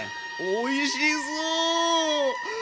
おいしそう！